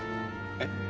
えっ？